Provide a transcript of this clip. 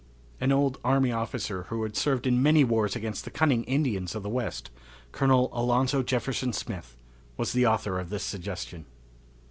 An old army officer who had served in many wars against the cunning Indians of the West, Colonel Alonzo Jefferson Smith, was the author of this suggestion.